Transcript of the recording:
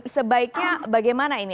sebaiknya bagaimana ini